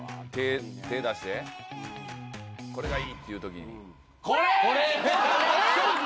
手出してこれがいいっていう時に。